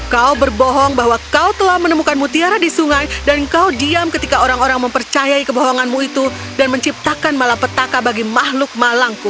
kau berbohong bahwa kau telah menemukan mutiara di sungai dan kau diam ketika orang orang mempercayai kebohonganmu itu dan menciptakan malapetaka bagi makhluk malangku